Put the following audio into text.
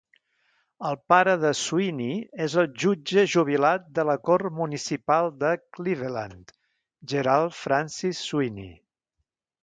El pare de Sweeney és el jutge jubilat de la Cort Municipal de Cleveland, Gerald Francis Sweeney.